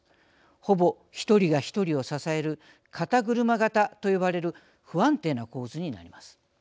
ほぼ１人が１人を支える肩車型と呼ばれる不安定な構図になります。